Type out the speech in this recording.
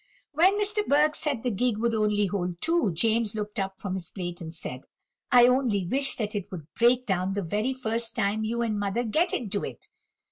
When Mr. Burke said the gig would only hold two, James looked up from his plate, and said: "I only wish that it would break down the very first time you and mother get into it."